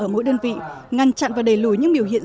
hỗ đơn vị ngăn chặn và đẩy lùi những biểu hiện